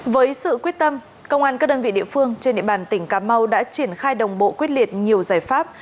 với sự quyết tâm công an các đơn vị địa phương trên địa bàn tỉnh cà mau đã triển khai đồng bộ quyết liệt nhiều giải pháp